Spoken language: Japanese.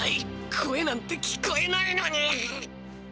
声なんて聞こえないのに！